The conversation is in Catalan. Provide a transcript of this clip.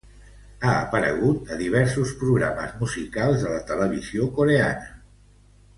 Ha aparegut a diversos programes musicals a la televisió coreana.